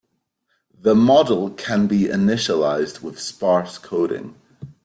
The model can be initialized with sparse coding.